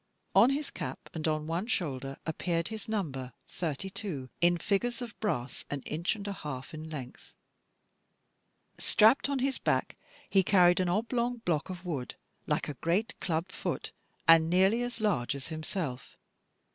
On his cap, and on one shoulder, appeared his number, 32, in figures of brass, an inch and a half in length. Strapped on his back he carried an oblong block of wood, like a great club foot, and nearly as large as himself.